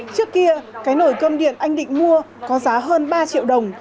trước kia cái nồi cơm điện anh định mua có giá hơn ba triệu đồng